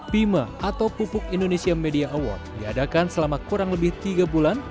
pima atau pupuk indonesia media award diadakan selama kurang lebih tiga bulan